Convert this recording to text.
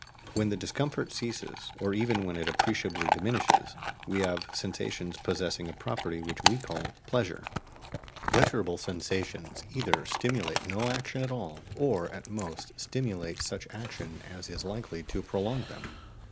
When the discomfort ceases, or even when it appreciably diminishes, we have sensations possessing a property which we call PLEASURE. Pleasurable sensations either stimulate no action at all, or at most stimulate such action as is likely to prolong them.